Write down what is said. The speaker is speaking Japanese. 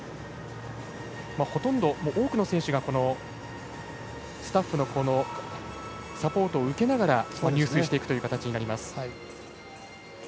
ほとんど、多くの選手がスタッフのサポートを受けながら入水していくという形になります。